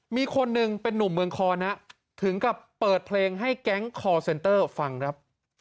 มีคนหนึ่งเป็นนุ่มเมืองคอนะถึงกับเปิดเพลงให้แก๊งคอร์เซ็นเตอร์ฟังครับ